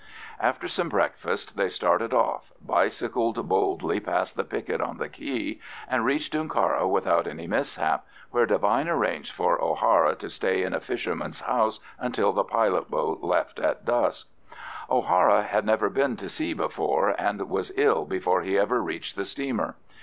After some breakfast they started off, bicycled boldly past the picket on the quay, and reached Dooncarra without any mishap, where Devine arranged for O'Hara to stay in a fisherman's house until the pilot boat left at dusk. O'Hara had never been to sea before, and was ill before he ever reached the steamer.